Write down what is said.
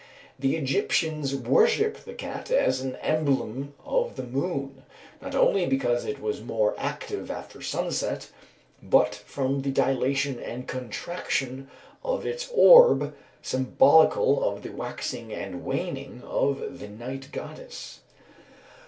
The Egyptians worshipped the cat as an emblem of the moon, not only because it was more active after sunset, but from the dilation and contraction of its orb, symbolical of the waxing and waning of the night goddess.